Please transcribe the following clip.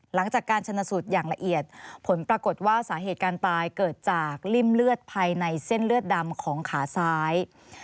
หลังจากการชนะสูตรอย่างละเอียดผลปรากฏว่าสาเหตุการตายเกิดจากริ่มเลือดภายในเส้นเลือดดำของขาซ้าย